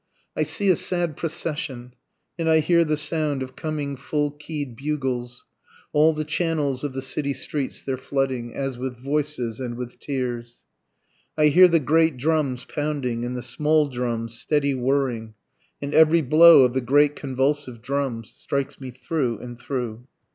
I see a sad procession, And I hear the sound of coming full key'd bugles, All the channels of the city streets they're flooding, As with voices and with tears. I hear the great drums pounding, And the small drums steady whirring, And every blow of the great convulsive drums, Strikes me through and through.